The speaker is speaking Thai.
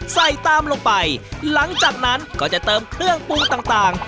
ใส่ตามลงไปหลังจากนั้นก็จะเติมเครื่องปรุงต่าง